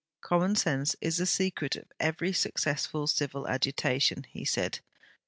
'Common sense is the secret of every successful civil agitation,' he said.